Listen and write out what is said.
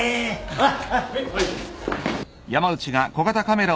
あっ。